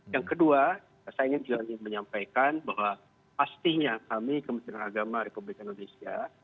yang kedua saya ingin juga menyampaikan bahwa pastinya kami kementerian agama republik indonesia